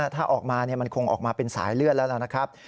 ถ้าออกมามันคงออกมาเป็นสายเลือดแล้วนะครับ